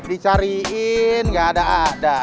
dicariin nggak ada ada